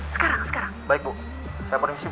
sekarang sekarang baik bu saya menebusin